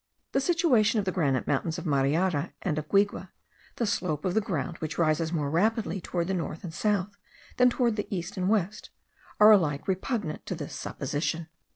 The situation of the granite mountains of Mariara and of Guigue, the slope of the ground which rises more rapidly towards the north and south than towards the east and west, are alike repugnant to this supposition.